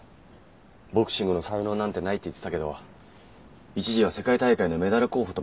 ボクシングの才能なんてないって言ってたけど一時は世界大会のメダル候補とまでいわれてたんだ。